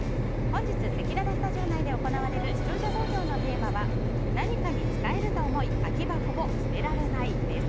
本日せきららスタジオ内で行われる視聴者投票のテーマは何かに使えると思い空き箱を捨てられないです。